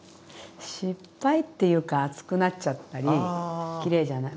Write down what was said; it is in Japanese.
失敗っていうか厚くなっちゃったりきれいじゃない。